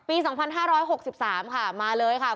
ปี๒๕๖๓ค่ะมาเลยค่ะ